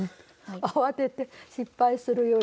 慌てて失敗するよりは。